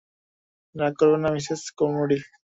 রাগ করবেন না, মিসেস কার্মোডি!